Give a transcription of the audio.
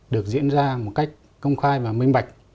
được diễn ra một cách công khai và minh bạch